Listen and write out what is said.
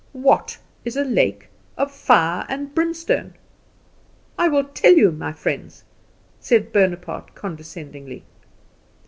"What is a lake of fire and brimstone? I will tell you, my friends," said Bonaparte condescendingly.